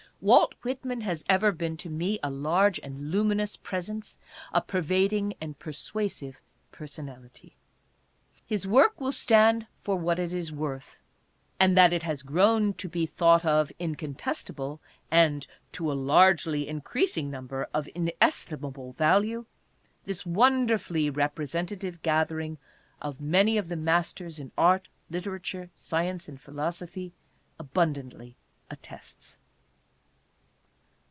Walt Whitman has ever been to me a large and luminous presence, a pervading and persuasive personality. His work will stand for what it is worth, — and that it has grown to be thought of incontestable, and, to a largely increasing number, of inestimable value, this wonderfully representative gathering of many of the masters in art, literature, science and philosophy, abundantly attests.